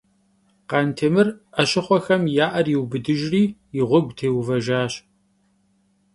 Khantêmır 'eşıxhuexem ya 'er yiubıdıjjri yi ğuegu têuvejjaş.